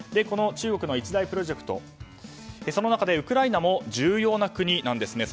この中国の一大プロジェクトその中でウクライナも重要な国なんです。